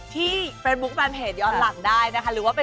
ที่เฟซบุ๊คแฟนเพจย้อนหลังได้นะคะ